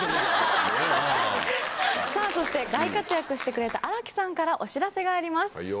さぁそして大活躍してくれた新木さんからお知らせがあります。